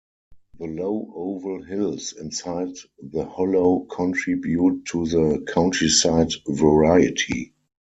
The low oval hills inside the hollow contribute to the countryside variety.